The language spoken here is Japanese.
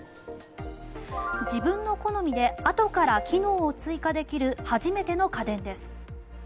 自分の好みであとから機能を追加できる初めての家電です。